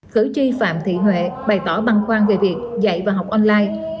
cử tri phạm thị huệ bày tỏ băng khoan về việc dạy và học online